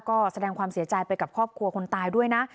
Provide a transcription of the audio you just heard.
ก็แสดงความเสียใจไปกับครอบครัวคนตายด้วยนะ